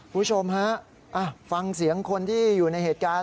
คุณผู้ชมฮะฟังเสียงคนที่อยู่ในเหตุการณ์